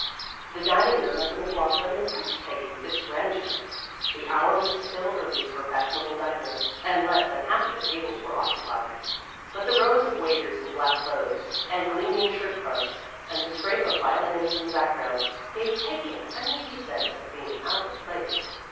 The dining room at the McLaughlin im pressed Peggy with its grandeur. The hour was still early for fashionable diners, and less than half of the tables were occupied. But the rows of waiters in black clothes and gleaming shirt fronts, and the scrape of violins in the back ground, gave Peggy an uneasy sense of being out of place.